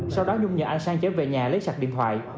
sau đó nhung nhờ anh sang chở về nhà lấy sạc điện thoại